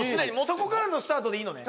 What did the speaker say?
そこからのスタートでいいのね？